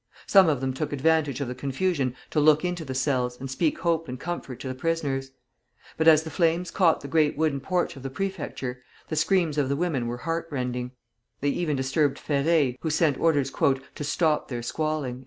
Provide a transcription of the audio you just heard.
Some of them took advantage of the confusion to look into the cells, and speak hope and comfort to the prisoners. But as the flames caught the great wooden porch of the Prefecture, the screams of the women were heart rending; They even disturbed Ferré, who sent orders "to stop their squalling."